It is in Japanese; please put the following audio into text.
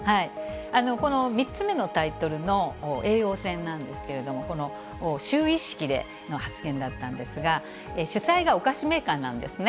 この３つ目のタイトルの叡王戦なんですけれども、就位式での発言だったんですが、主催がお菓子メーカーなんですね。